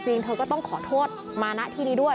เธอก็ต้องขอโทษมานะที่นี้ด้วย